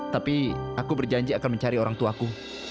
tapi aku berjanji akan mencari orang tuaku